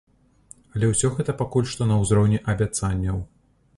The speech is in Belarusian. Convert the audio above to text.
Але ўсё гэта пакуль што на ўзроўні абяцанняў.